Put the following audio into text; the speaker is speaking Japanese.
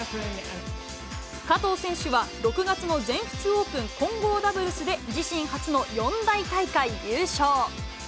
加藤選手は６月の全仏オープン混合ダブルスで自身初の四大大会優勝。